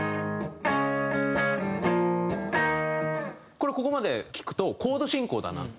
これここまで聴くとコード進行だなって。